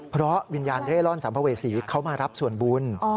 เพราะวิญญาณเร่ร่อนสัมภเวษีเขามารับส่วนบุญ